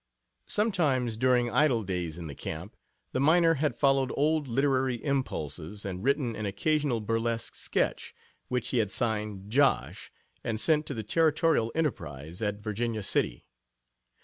Sometimes, during idle days in the camp, the miner had followed old literary impulses and written an occasional burlesque sketch, which he had signed "Josh," and sent to the Territorial Enterprise, at Virginia City.